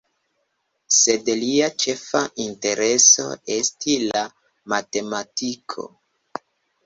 Sed lia ĉefa intereso esti la matematiko.